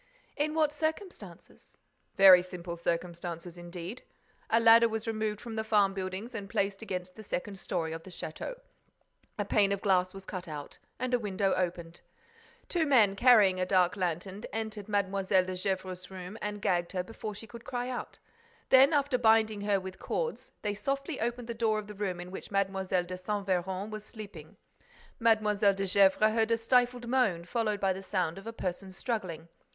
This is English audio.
"In what circumstances?" "Very simple circumstances, indeed. A ladder was removed from the farm buildings and placed against the second story of the château. A pane of glass was cut out and a window opened. Two men, carrying a dark lantern, entered Mlle. de Gesvres's room and gagged her before she could cry out. Then, after binding her with cords, they softly opened the door of the room in which Mlle. de Saint Véran was sleeping. Mlle. de Gesvres heard a stifled moan, followed by the sound of a person struggling.